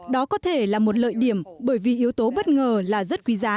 đó có thể là một lợi điểm bởi vì yếu tố bất ngờ là rất quý giá